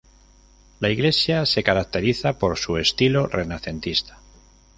La iglesia se caracteriza por su estilo renacentista.